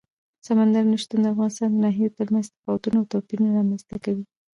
سمندر نه شتون د افغانستان د ناحیو ترمنځ تفاوتونه او توپیرونه رامنځ ته کوي.